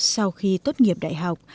sau khi tốt nghiệp đại học